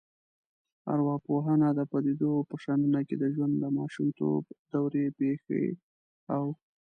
ارواپوهنې د پديدو په شننه کې د ژوند د ماشومتوب دورې پیښو او